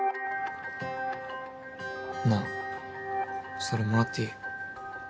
なあそれもらっていい？